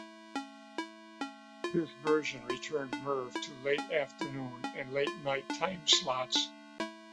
This version returned Merv to late-afternoon and late night time slots.